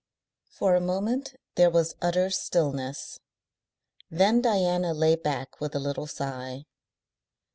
For a moment there was utter stillness, then Diana lay back with a little sigh.